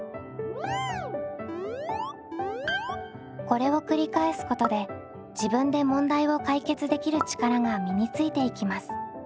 これを繰り返すことで自分で問題を解決できる力が身についていきます。